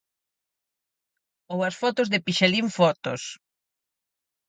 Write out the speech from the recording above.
Ou as fotos de Pixelín Fotos.